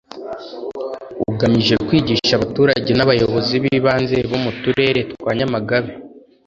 ugamije kwigisha abaturage n’abayobozi b’ibanze bo mu Turere twa Nyamagabe